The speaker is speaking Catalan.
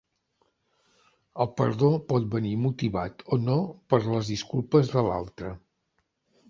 El perdó pot venir motivat o no per les disculpes de l'altre.